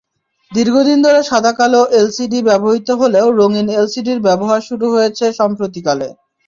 দীর্ঘদিন ধরে সাদা-কালো এলসিডি ব্যবহৃত হলেও রঙিন এলসিডির ব্যবহার শুরু হয়েছে সাম্প্রতিককালে।